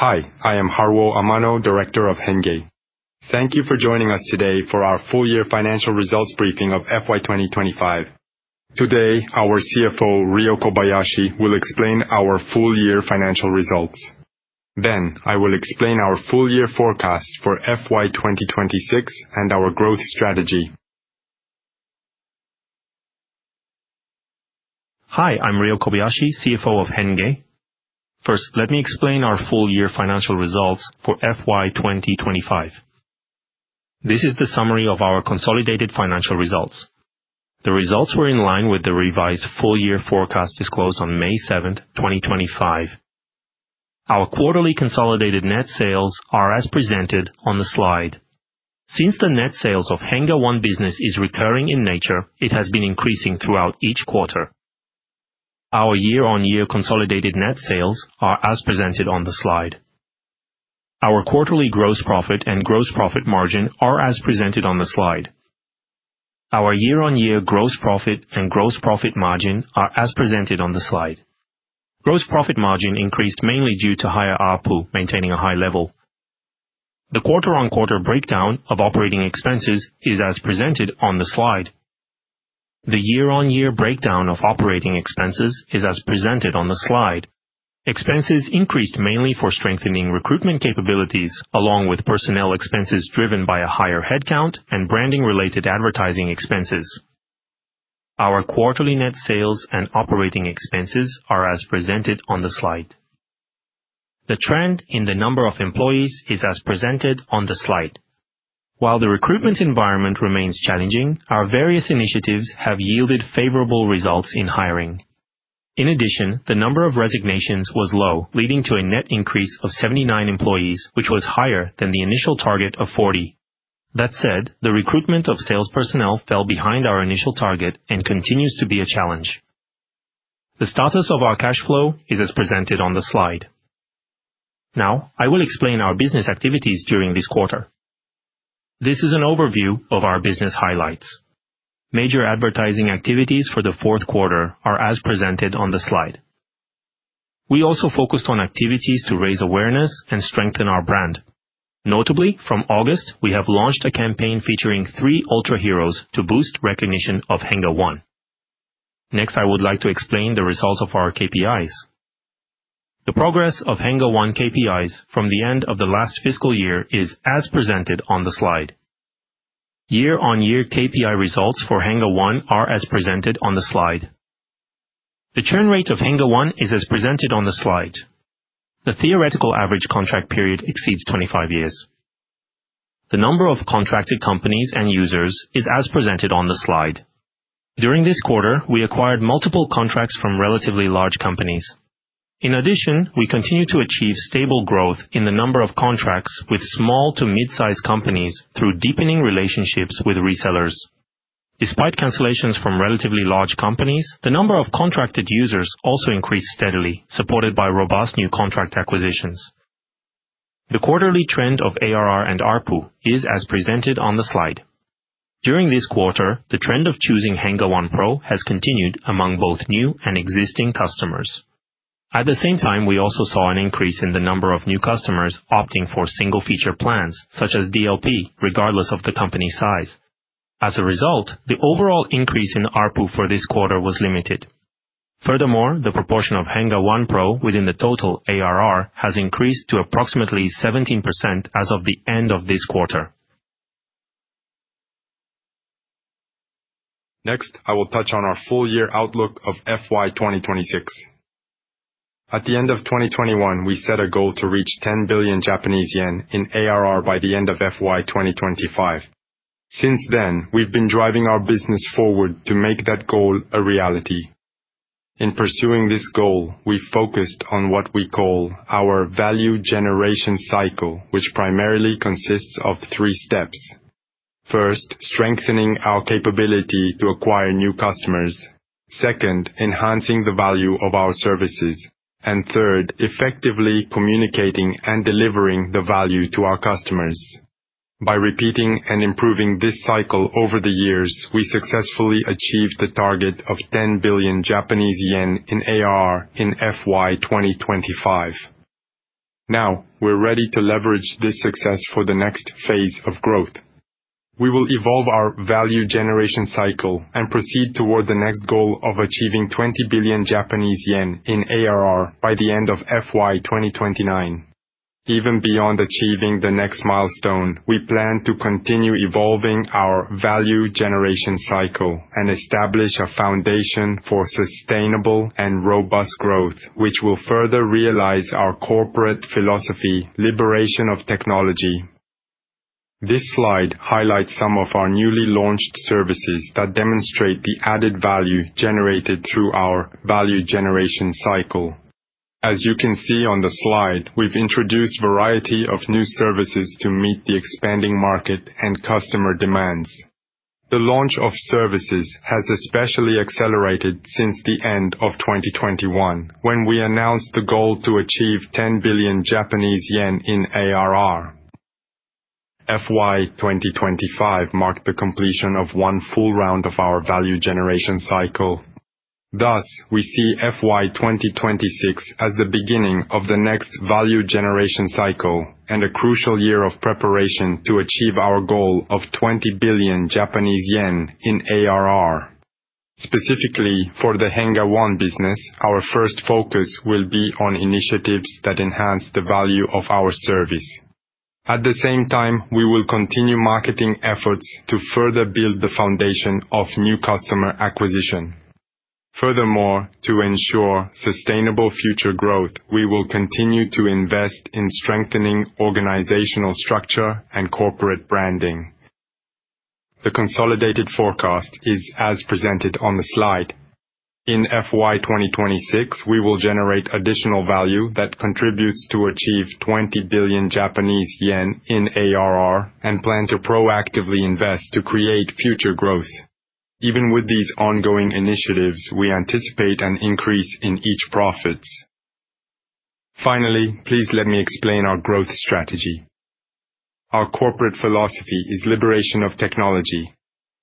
Hi, I am Haruo Amano, Director of HENNGE. Thank you for joining us today for our full-year financial results briefing of FY2025. Today, our CFO, Ryo Kobayashi, will explain our full-year financial results. Then, I will explain our full-year forecast for FY2026 and our growth strategy. Hi, I'm Ryo Kobayashi, CFO of HENNGE. First, let me explain our full-year financial results for FY2025. This is the summary of our consolidated financial results. The results were in line with the revised full-year forecast disclosed on May 7, 2025. Our quarterly consolidated net sales are as presented on the slide. Since the net sales of HENNGE One business is recurring in nature, it has been increasing throughout each quarter. Our year-on-year consolidated net sales are as presented on the slide. Our quarterly gross profit and gross profit margin are as presented on the slide. Our year-on-year gross profit and gross profit margin are as presented on the slide. Gross profit margin increased mainly due to higher ARPU, maintaining a high level. The quarter-on-quarter breakdown of operating expenses is as presented on the slide. The year-on-year breakdown of operating expenses is as presented on the slide. Expenses increased mainly for strengthening recruitment capabilities, along with personnel expenses driven by a higher headcount and branding-related advertising expenses. Our quarterly net sales and operating expenses are as presented on the slide. The trend in the number of employees is as presented on the slide. While the recruitment environment remains challenging, our various initiatives have yielded favorable results in hiring. In addition, the number of resignations was low, leading to a net increase of 79 employees, which was higher than the initial target of 40. That said, the recruitment of sales personnel fell behind our initial target and continues to be a challenge. The status of our cash flow is as presented on the slide. Now, I will explain our business activities during this quarter. This is an overview of our business highlights. Major advertising activities for the fourth quarter are as presented on the slide. We also focused on activities to raise awareness and strengthen our brand. Notably, from August, we have launched a campaign featuring three ultra-heroes to boost recognition of HENNGE One. Next, I would like to explain the results of our KPIs. The progress of HENNGE One KPIs from the end of the last fiscal year is as presented on the slide. Year-on-year KPI results for HENNGE One are as presented on the slide. The churn rate of HENNGE One is as presented on the slide. The theoretical average contract period exceeds 25 years. The number of contracted companies and users is as presented on the slide. During this quarter, we acquired multiple contracts from relatively large companies. In addition, we continue to achieve stable growth in the number of contracts with small to mid-sized companies through deepening relationships with resellers. Despite cancellations from relatively large companies, the number of contracted users also increased steadily, supported by robust new contract acquisitions. The quarterly trend of ARR and ARPU is as presented on the slide. During this quarter, the trend of choosing HENNGE One Pro has continued among both new and existing customers. At the same time, we also saw an increase in the number of new customers opting for single-feature plans, such as DLP, regardless of the company size. As a result, the overall increase in ARPU for this quarter was limited. Furthermore, the proportion of HENNGE One Pro within the total ARR has increased to approximately 17% as of the end of this quarter. Next, I will touch on our full-year outlook of FY2026. At the end of 2021, we set a goal to reach 10 billion Japanese yen in ARR by the end of FY2025. Since then, we've been driving our business forward to make that goal a reality. In pursuing this goal, we focused on what we call our Value Generation Cycle, which primarily consists of three steps: first, strengthening our capability to acquire new customers, second, enhancing the value of our services, and third, effectively communicating and delivering the value to our customers. By repeating and improving this cycle over the years, we successfully achieved the target of 10 billion Japanese yen in ARR in FY2025. Now, we're ready to leverage this success for the next phase of growth. We will evolve our Value Generation Cycle and proceed toward the next goal of achieving 20 billion Japanese yen in ARR by the end of FY2029. Even beyond achieving the next milestone, we plan to continue evolving our Value Generation Cycle and establish a foundation for sustainable and robust growth, which will further realize our corporate philosophy, Liberation of Technology. This slide highlights some of our newly launched services that demonstrate the added value generated through our Value Generation Cycle. As you can see on the slide, we've introduced a variety of new services to meet the expanding market and customer demands. The launch of services has especially accelerated since the end of 2021, when we announced the goal to achieve 10 billion Japanese yen in ARR. FY2025 marked the completion of one full round of our Value Generation Cycle. Thus, we see FY2026 as the beginning of the next Value Generation Cycle and a crucial year of preparation to achieve our goal of 20 billion Japanese yen in ARR. Specifically, for the HENNGE One business, our first focus will be on initiatives that enhance the value of our service. At the same time, we will continue marketing efforts to further build the foundation of new customer acquisition. Furthermore, to ensure sustainable future growth, we will continue to invest in strengthening organizational structure and corporate branding. The consolidated forecast is as presented on the slide. In FY2026, we will generate additional value that contributes to achieve 20 billion Japanese yen in ARR and plan to proactively invest to create future growth. Even with these ongoing initiatives, we anticipate an increase in each profits. Finally, please let me explain our growth strategy. Our corporate philosophy is Liberation of Technology.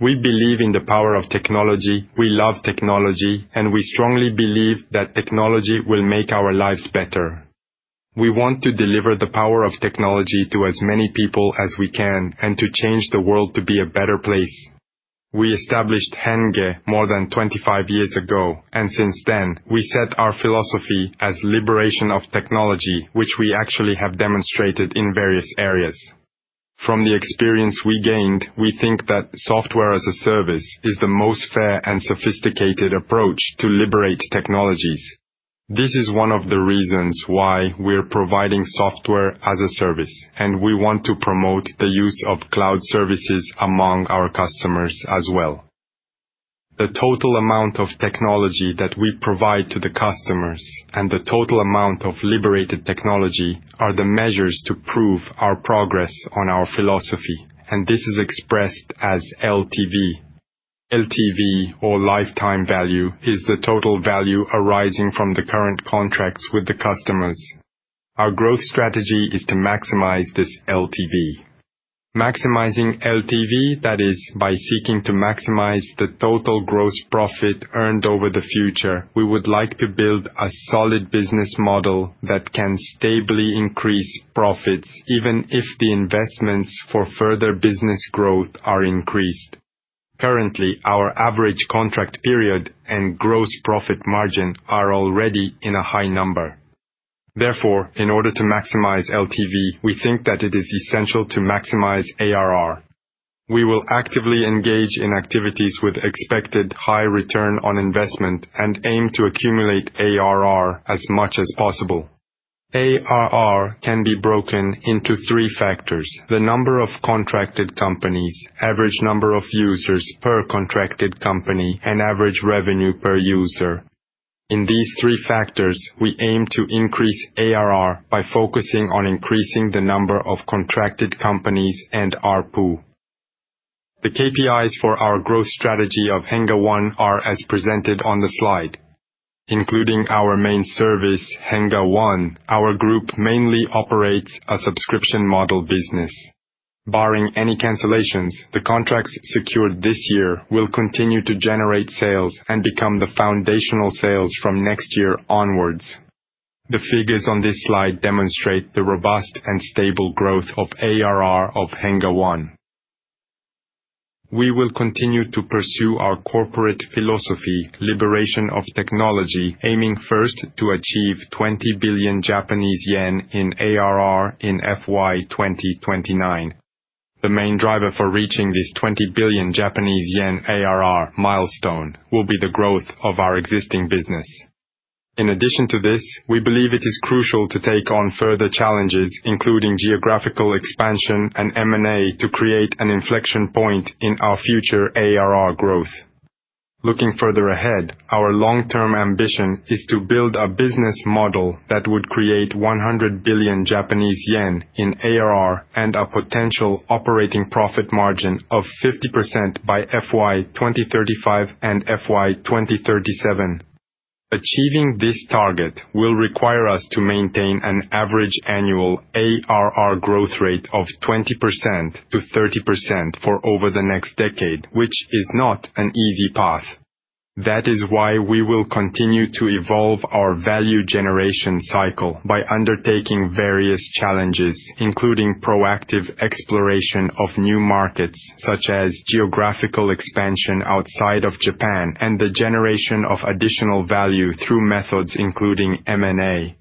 We believe in the power of technology, we love technology, and we strongly believe that technology will make our lives better. We want to deliver the power of technology to as many people as we can and to change the world to be a better place. We established HENNGE more than 25 years ago, and since then, we set our philosophy as Liberation of Technology, which we actually have demonstrated in various areas. From the experience we gained, we think that Software as a Service is the most fair and sophisticated approach to liberate technologies. This is one of the reasons why we're providing Software as a Service, and we want to promote the use of cloud services among our customers as well. The total amount of technology that we provide to the customers and the total amount of liberated technology are the measures to prove our progress on our philosophy, and this is expressed as LTV. LTV, or Lifetime Value, is the total value arising from the current contracts with the customers. Our growth strategy is to maximize this LTV. Maximizing LTV, that is, by seeking to maximize the total gross profit earned over the future, we would like to build a solid business model that can stably increase profits even if the investments for further business growth are increased. Currently, our average contract period and gross profit margin are already in a high number. Therefore, in order to maximize LTV, we think that it is essential to maximize ARR. We will actively engage in activities with expected high return on investment and aim to accumulate ARR as much as possible. ARR can be broken into three factors: the number of contracted companies, average number of users per contracted company, and average revenue per user. In these three factors, we aim to increase ARR by focusing on increasing the number of contracted companies and ARPU. The KPIs for our growth strategy of HENNGE One are as presented on the slide. Including our main service, HENNGE One, our group mainly operates a subscription model business. Barring any cancellations, the contracts secured this year will continue to generate sales and become the foundational sales from next year onwards. The figures on this slide demonstrate the robust and stable growth of ARR of HENNGE One. We will continue to pursue our corporate philosophy, Liberation of Technology, aiming first to achieve 20 billion Japanese yen in ARR in FY2029. The main driver for reaching this 20 billion Japanese yen ARR milestone will be the growth of our existing business. In addition to this, we believe it is crucial to take on further challenges, including geographical expansion and M&A, to create an inflection point in our future ARR growth. Looking further ahead, our long-term ambition is to build a business model that would create 100 billion Japanese yen in ARR and a potential operating profit margin of 50% by FY2035 and FY2037. Achieving this target will require us to maintain an average annual ARR growth rate of 20%-30% for over the next decade, which is not an easy path. That is why we will continue to evolve our value generation cycle by undertaking various challenges, including proactive exploration of new markets such as geographical expansion outside of Japan and the generation of additional value through methods including M&A.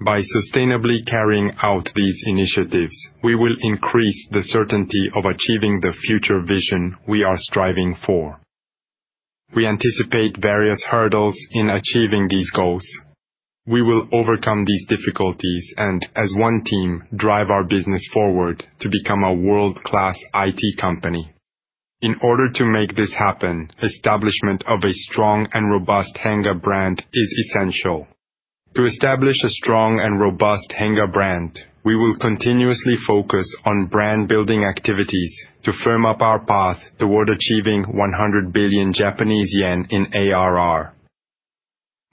By sustainably carrying out these initiatives, we will increase the certainty of achieving the future vision we are striving for. We anticipate various hurdles in achieving these goals. We will overcome these difficulties and, as one team, drive our business forward to become a world-class IT company. In order to make this happen, establishment of a strong and robust HENNGE brand is essential. To establish a strong and robust HENNGE brand, we will continuously focus on brand-building activities to firm up our path toward achieving 100 billion Japanese yen in ARR.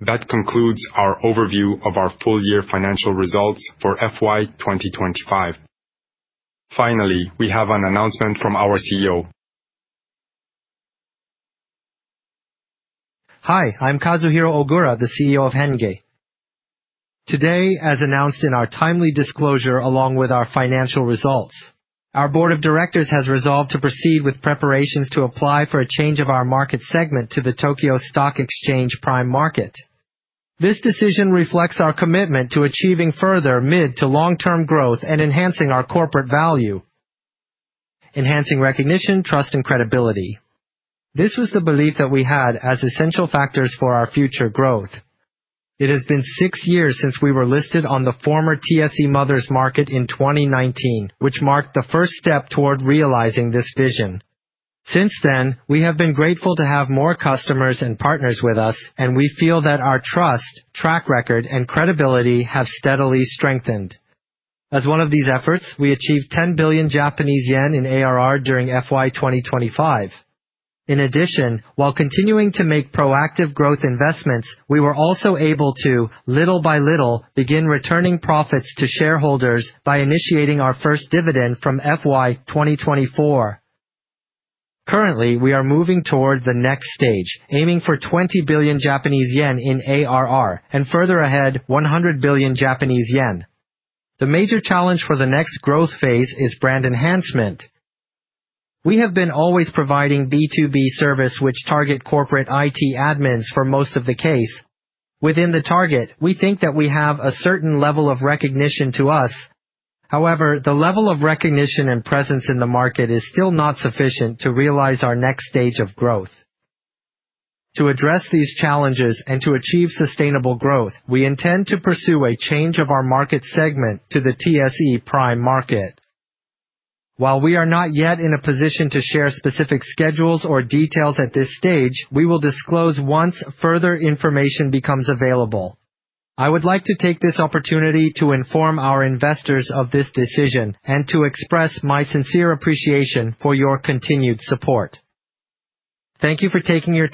That concludes our overview of our full-year financial results for FY2025. Finally, we have an announcement from our CEO. Hi, I'm Kazuhiro Ogura, the CEO of HENNGE. Today, as announced in our timely disclosure along with our financial results, our board of directors has resolved to proceed with preparations to apply for a change of our market segment to the Tokyo Stock Exchange Prime Market. This decision reflects our commitment to achieving further mid- to long-term growth and enhancing our corporate value. Enhancing recognition, trust, and credibility. This was the belief that we had as essential factors for our future growth. It has been six years since we were listed on the former TSE Mothers market in 2019, which marked the first step toward realizing this vision. Since then, we have been grateful to have more customers and partners with us, and we feel that our trust, track record, and credibility have steadily strengthened. As one of these efforts, we achieved 10 billion Japanese yen in ARR during FY2025. In addition, while continuing to make proactive growth investments, we were also able to, little by little, begin returning profits to shareholders by initiating our first dividend from FY2024. Currently, we are moving toward the next stage, aiming for 20 billion Japanese yen in ARR and further ahead, 100 billion Japanese yen. The major challenge for the next growth phase is brand enhancement. We have been always providing B2B service, which target corporate IT admins for most of the case. Within the target, we think that we have a certain level of recognition to us. However, the level of recognition and presence in the market is still not sufficient to realize our next stage of growth. To address these challenges and to achieve sustainable growth, we intend to pursue a change of our market segment to the TSE Prime Market. While we are not yet in a position to share specific schedules or details at this stage, we will disclose once further information becomes available. I would like to take this opportunity to inform our investors of this decision and to express my sincere appreciation for your continued support. Thank you for taking your time.